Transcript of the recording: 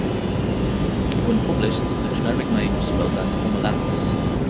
When published, the generic name was spelt as "Omalanthus".